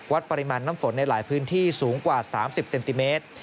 ปริมาณน้ำฝนในหลายพื้นที่สูงกว่า๓๐เซนติเมตร